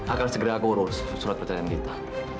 akan segera aku urus surat percayaan kita